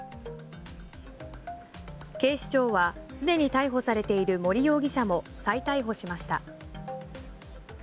警視庁は既に逮捕されている森容疑者も再逮捕しました。